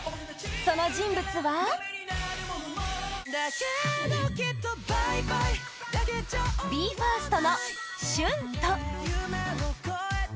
その人物はＢＥ：ＦＩＲＳＴのＳＨＵＮＴＯ！